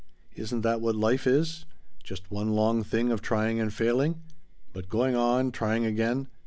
"Isn't that what life is? Just one long thing of trying and failing? But going on trying again!